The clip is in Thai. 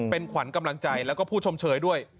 เป็นขวัญกำลังใจแล้วก็ผู้ชมเชยด้วย